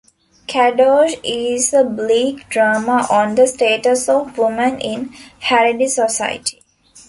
"Kadosh" is a bleak drama on the status of women in Haredi society.